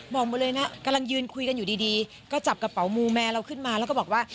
บอกหมดเลยนะกำลังยืนคุยกันอยู่ดีก็จับกระเป๋ามูแมนเราขึ้นมาแล้วก็บอกว่า